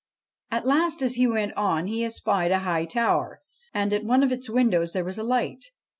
At last, as he went on, he espied a high tower, and, at one of its windows, there was a light.